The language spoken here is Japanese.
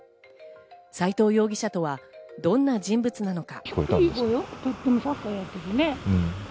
斎藤容疑者とはどんな人物なのか。